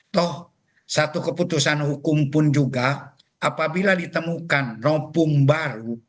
toh satu keputusan hukum pun juga apabila ditemukan nopung baru